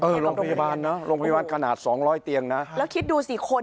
โรงพยาบาลนะโรงพยาบาลขนาดสองร้อยเตียงนะแล้วคิดดูสิคน